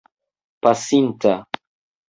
pasinta